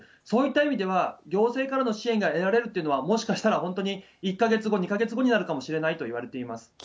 そういった意味では、行政からの支援が得られるっていうのは、もしかしたら本当に１か月後、２か月後になるかもしれないといわれています。